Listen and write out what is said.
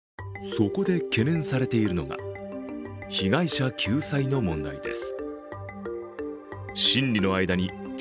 そこで懸念されているのが、被害者救済の問題です。